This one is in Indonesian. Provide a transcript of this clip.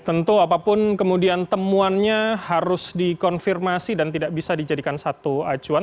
tentu apapun kemudian temuannya harus dikonfirmasi dan tidak bisa dijadikan satu acuan